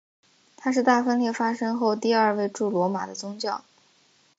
他是大分裂发生后第二位驻罗马的教宗。